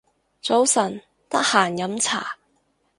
早晨，得閒飲茶